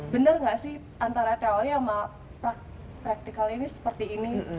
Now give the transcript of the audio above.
benar nggak sih antara teori sama praktikal ini seperti ini